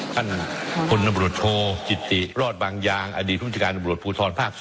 ท่านคนนบริษัทโธจิติรอดบางอย่างอดีตภุติการบริษัทภูทธรภ๒